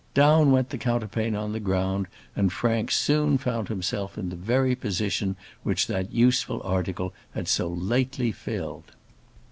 Down went the counterpane on the ground, and Frank soon found himself in the very position which that useful article had so lately filled.